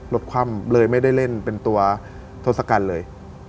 คว่ำเลยไม่ได้เล่นเป็นตัวทศกัณฐ์เลย